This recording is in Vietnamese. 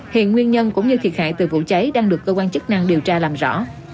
hiện nguyên nhân cũng như thiệt hại từ vụ cháy đang được cơ quan chức năng điều tra làm rõ